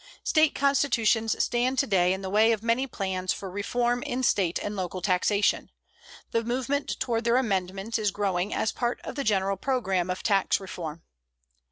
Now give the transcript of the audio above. State constitutions stand today in the way of many plans for reform in State and local taxation. The movement toward their amendment is growing as part of the general programme of tax reform.